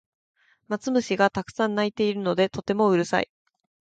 マツムシがたくさん鳴いているのでとてもうるさい